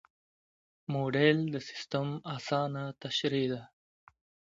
موډل د سیسټم اسانه تشریح ده.